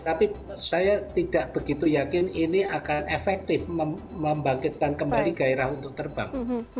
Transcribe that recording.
tapi saya tidak begitu yakin ini akan efektif membangkitkan kembali gairah untuk terbang